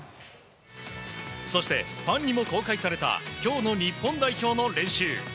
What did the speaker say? そしてファンにも公開された今日の日本代表の練習。